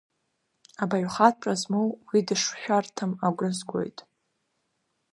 Абаҩхатәра змоу, уи дышшәарҭам агәра згоит…